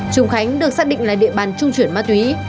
trùng khánh được xác định là địa bàn trung chuyển ma túy